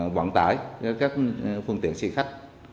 quản tải các phương tiện xe khách